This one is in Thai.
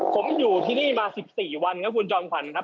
ผมอยู่ที่นี่มา๑๔วันครับคุณจอมขวัญครับ